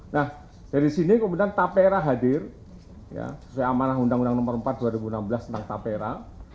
nah dari sini kemudian tapera hadir sesuai amanah undang undang nomor empat dua ribu enam belas tentang tapera